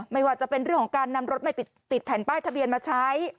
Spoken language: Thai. ไม่ว่าจะเป็นเรื่องของการนำรถไม่ติดแผ่นป้ายทะเบียนมาใช้